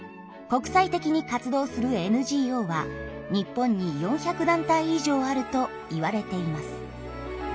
国際的に活動するＮＧＯは日本に４００団体以上あるといわれています。